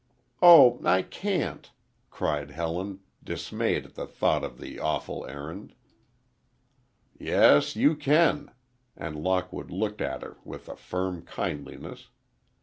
"Oh, I can't!" cried Helen, dismayed at the thought of the awful errand. "Yes, you can," and Lockwood looked at her with a firm kindliness.